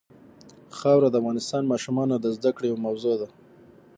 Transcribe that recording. خاوره د افغان ماشومانو د زده کړې یوه موضوع ده.